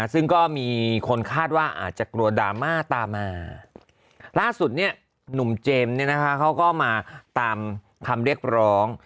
ซึ่งก็มีคนคาดว่าอาจจะกลัวดราม่าตามมาล่าสุดเนี่ยหนุ่มเจมส์เนี่ยนะคะเขาก็มาตามคำเรียกร้อง